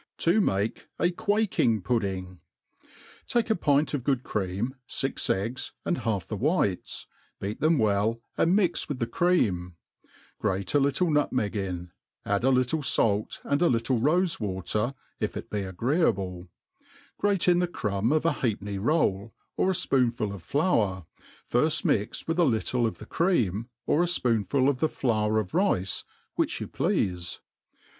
.,, To make a ^aking^Pudding* TAKE a pint of good creann, fix eggs, and half the whites, beat them well, and mix with the cream; grate a little nut meg in, add a little fait, and a little rofe*water, if it be agree* able; grate in the crumb of a halfpenny roll, or a fpoonful of flour, nrft mixed with a little of the cream, or a fpoonful of the flour of rice, which. you pleafe.